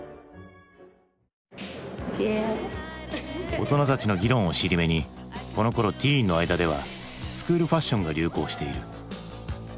大人たちの議論を尻目にこのころティーンの間ではスクールファッションが流行している。